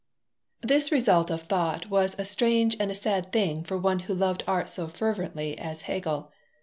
This result of thought was a strange and a sad thing for one who loved art so fervently as Hegel.